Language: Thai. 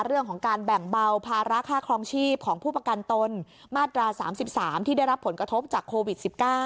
เรื่องของการแบ่งเบาภาระค่าครองชีพของผู้ประกันตนมาตรา๓๓ที่ได้รับผลกระทบจากโควิด๑๙